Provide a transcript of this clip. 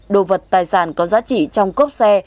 đồ vật tài sản có giá trị trong cốc xe